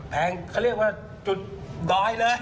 แงงเขาเรียกว่าจุดดอยเลย